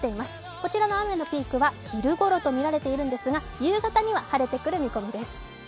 こちらの雨のピークは昼ごろと見られているんですが夕方には晴れてくる見込みです。